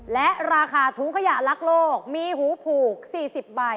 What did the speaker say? และราคาถุงขยะลักโลกมีหูผูก๔๐ใบ